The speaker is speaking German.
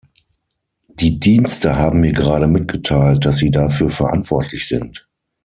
Die Dienste haben mir gerade mitgeteilt, dass sie dafür verantwortlich sind.